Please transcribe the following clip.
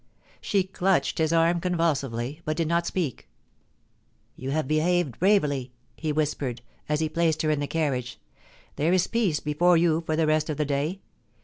She clutched his arm convulsively, but did not speak * You have behaved bravely,' he whispered, as he placed her in the carriage. * There is peace before you for the rest of the day.